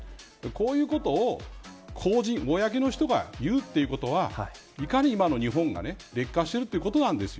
こういうことを公の人がいうということはいかに今の日本が劣化しているかということなんです。